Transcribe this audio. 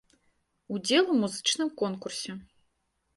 Удзел у музычным конкурсе.